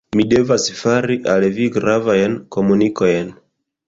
Mi devas fari al vi gravajn komunikojn.